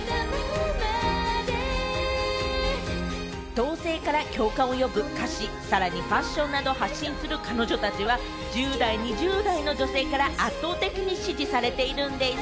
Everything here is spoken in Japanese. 同性から共感を呼ぶ歌詞、さらにファッションなどを発信する彼女たちは１０代、２０代の女性から圧倒的に支持されているんでぃす。